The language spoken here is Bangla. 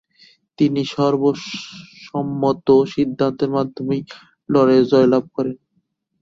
তিনি সর্বসম্মত সিদ্ধান্তের মাধ্যমে লড়াইয়ে জয়লাভ করেন।